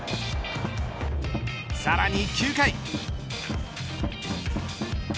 さらに９回。